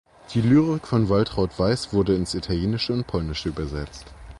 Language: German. Die Lyrik von Waltraud Weiß wurde ins Italienische und Polnische übersetzt.